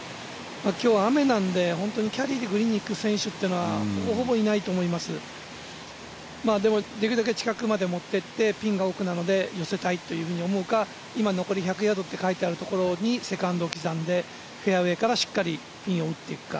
今日は雨なんで本当にキャリーで振りにいく選手はピンが奥なので寄せたいと思うか、今、残り１００ヤードと書いてるところにセカンドを刻んでフェアウエーからしっかりピンを打っていくか。